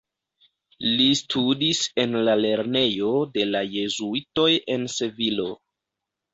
Li studis en la lernejo de la Jezuitoj en Sevilo.